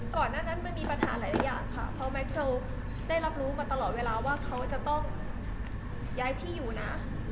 ก่อนหน้านั้นมันมีปัญหาหลายอย่างค่ะเพราะแม็กซ์ได้รับรู้มาตลอดเวลาว่าเขาจะต้องย้ายที่อยู่นะ